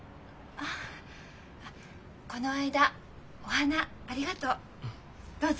あっこの間お花ありがとう！